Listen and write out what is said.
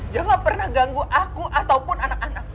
jangan pernah ganggu aku ataupun anak anak